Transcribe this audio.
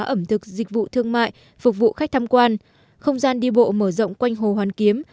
ẩm thực dịch vụ thương mại phục vụ khách tham quan không gian đi bộ mở rộng quanh hồ hoàn kiếm